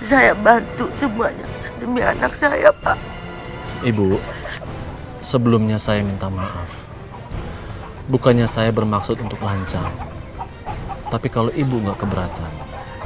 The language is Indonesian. iya tapi abang jiansa penyakitin hati ibu juga bang